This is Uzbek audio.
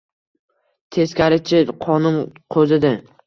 Teskarichi qonim qo’zidi.